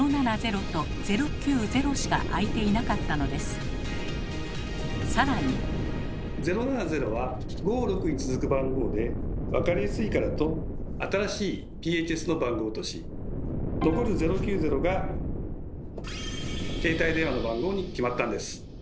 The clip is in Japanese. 「０７０」は５・６に続く番号で分かりやすいからと新しいＰＨＳの番号とし残る「０９０」が携帯電話の番号に決まったんです。